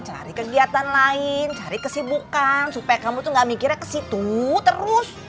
cari kegiatan lain cari kesibukan supaya kamu tuh gak mikirnya ke situ terus